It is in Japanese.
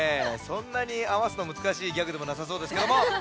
そんなにあわすのむずかしいギャグでもなさそうですけども。